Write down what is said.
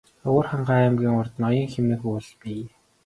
Өвөрхангай аймгийн урд Ноён хэмээх уул бий.